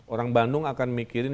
orang bandung akan mikirin